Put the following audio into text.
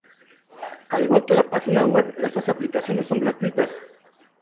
Al igual que la página web, estas aplicaciones son gratuitas.